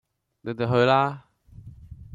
你地去啦